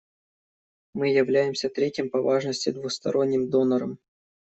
Мы являемся третьим по важности двусторонним донором.